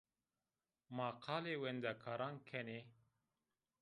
Ma qalê wendekaran kenî